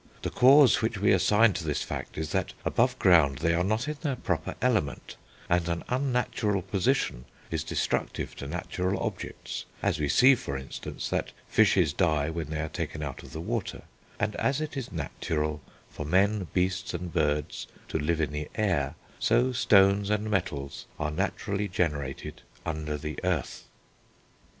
The cause which we assign to this fact is that above ground they are not in their proper element, and an unnatural position is destructive to natural objects, as we see, for instance, that fishes die when they are taken out of the water; and as it is natural for men, beasts, and birds to live in the air, so stones and metals are naturally generated under the earth."